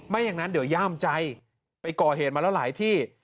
อย่างนั้นเดี๋ยวย่ามใจไปก่อเหตุมาแล้วหลายที่